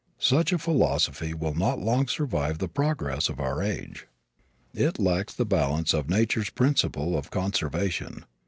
Such a philosophy will not long survive the progress of our age. It lacks the balance of nature's principle of conservation.